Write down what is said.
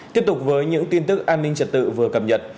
tiếp tục với những tin tức an ninh trật tự vừa cập nhật